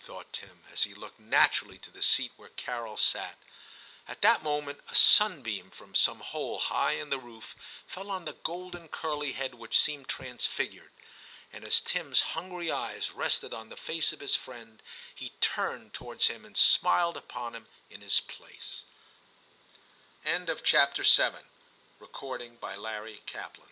thought Tim, as he looked naturally to the seat where Carol sat. At that moment a sunbeam from some hole high in the roof fell on the golden curly head which seemed transfigured ; and as Tim's hungry eyes rested on the face of his friend, he turned towards him and smiled upon h